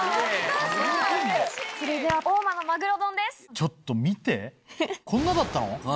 ちょっと見てこんなだったの？